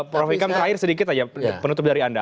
prof ikam terakhir sedikit aja penutup dari anda